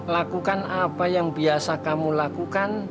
lakukan apa yang biasa kamu lakukan